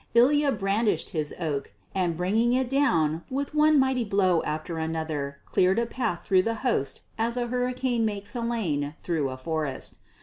Ilya brandished his oak, and bringing it down with one mighty blow after another cleared a path through the host as a hurricane makes a lane through a forest.